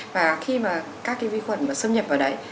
và khi mà các cái vi khuẩn mà xâm nhập vào đấy